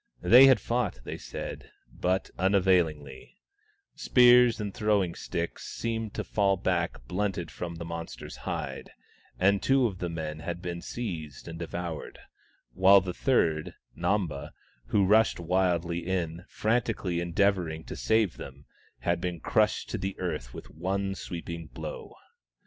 They had fought, they said, but unavailingly : spears and thro wing sticks seemed to fall back blunted from the monster's hide, and two of the men had been THE STONE AXE OF BURKAMUKK 19 seized and devoured, while the third, Namba, who rushed wildly in, frantically endeavouring to save them, had been crushed to earth with one sweeping blow.